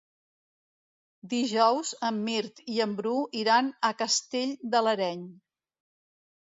Dijous en Mirt i en Bru iran a Castell de l'Areny.